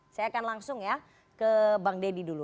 saya akan langsung ya ke bang deddy dulu